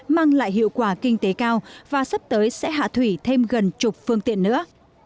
mang lại hiệu quả kinh tế cao và sắp tới sẽ hạ thủy thêm gần chục phương tiện nữa